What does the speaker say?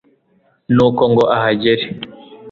nuko ngo ahagere